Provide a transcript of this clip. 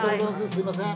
すみません！